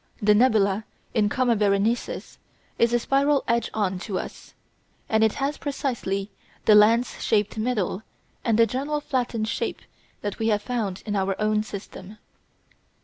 The nebula in Coma Berenices is a spiral edge on to us, and we see that it has precisely the lens shaped middle and the general flattened shape that we have found in our own system.